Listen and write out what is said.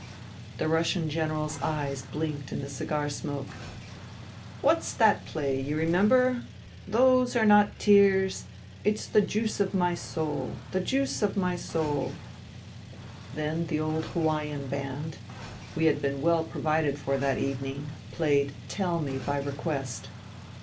..." The Russian General's eyes blinked in the cigar smoke. '* Wliat's that play, you remember —' Those are not tears : it's INTERVENING IN SIBERIA 205 the juice of my soul. The juice of my soul. ...''* Then the old Hawaian band — ^we had been well pro vided for that evening —played " Tell me,'' by request.